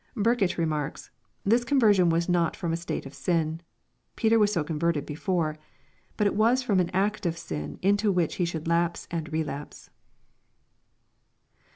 Burkitt remarks, " This conversion was not from a state of sin . Peter was so converted before ; but it was from an act of sin into which he should lapse and relapse."